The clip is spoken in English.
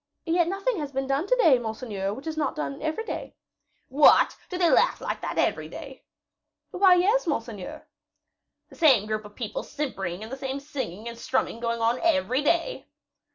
"Yet nothing has been done to day, monseigneur, which is not done every day." "What! do they laugh like that every day?" "Why, yes, monseigneur." "The same group of people simpering and the same singing and strumming going on every day?"